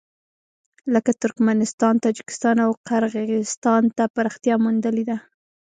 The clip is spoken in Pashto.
لکه ترکمنستان، تاجکستان او قرغېزستان ته پراختیا موندلې ده.